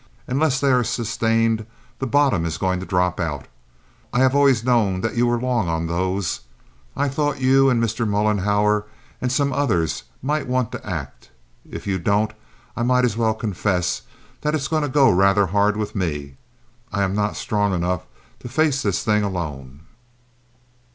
Unless they are sustained the bottom is going to drop out. I have always known that you were long on those. I thought you and Mr. Mollenhauer and some of the others might want to act. If you don't I might as well confess that it is going to go rather hard with me. I am not strong enough to face this thing alone."